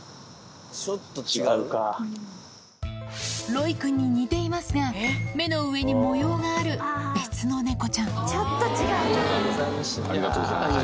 ロイくんに似ていますが目の上に模様がある別の猫ちゃんありがとうございました。